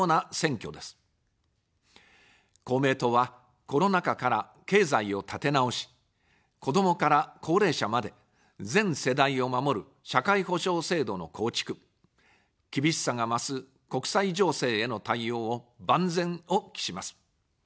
公明党は、コロナ禍から、経済を立て直し、子どもから高齢者まで、全世代を守る社会保障制度の構築、厳しさが増す国際情勢への対応を、万全を期します。